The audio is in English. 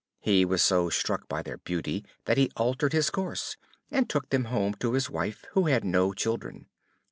He was so struck by their beauty that he altered his course, and took them home to his wife, who had no children.